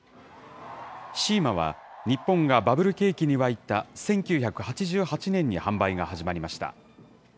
シーマは、日本がバブル景気に沸いた１９８８年に販売が始まりました。